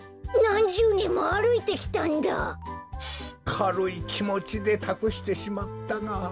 かるいきもちでたくしてしまったが。